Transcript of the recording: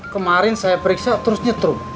kemarin saya periksa terus nyetruk